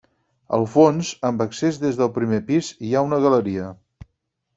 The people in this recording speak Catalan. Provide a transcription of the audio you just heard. Al fons, amb accés des del primer pis, hi ha una galeria.